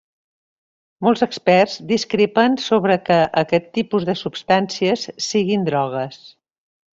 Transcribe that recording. Molts experts discrepen sobre que aquests tipus de substàncies siguin drogues.